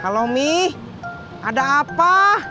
halo mi ada apa